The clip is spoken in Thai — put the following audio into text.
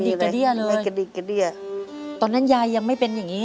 วงศจกษนั่นัดนั้นยายยังไม่เป็นอย่างนี้